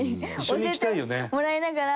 教えてもらいながら。